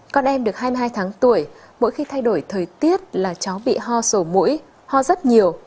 con em được hai mươi hai tháng tuổi mỗi khi thay đổi thời tiết là cháu bị ho sổ mũi ho rất nhiều